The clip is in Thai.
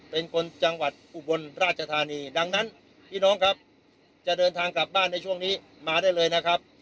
เป็นคนจังหวัดอุบลราชธานีดังนั้นพี่น้องครับจะเดินทางกลับบ้านในช่วงนี้มาได้เลยนะครับ